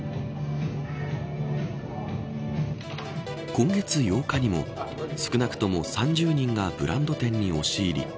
今月８日にも少なくとも３０人がブランド店に押し入り